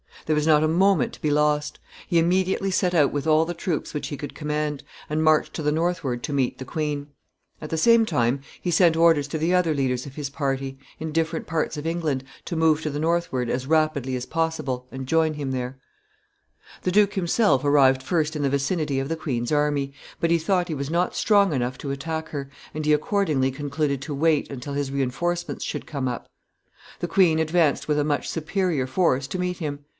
There was not a moment to be lost. He immediately set out with all the troops which he could command, and marched to the northward to meet the queen. At the same time, he sent orders to the other leaders of his party, in different parts of England, to move to the northward as rapidly as possible, and join him there. [Sidenote: Battle of Wakefield.] [Sidenote: Death of the Duke of York.] The duke himself arrived first in the vicinity of the queen's army, but he thought he was not strong enough to attack her, and he accordingly concluded to wait until his re enforcements should come up. The queen advanced with a much superior force to meet him.